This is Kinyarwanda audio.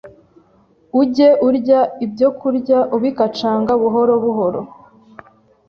Ujye urya ibyokurya ubikacanga buhoro buhoro,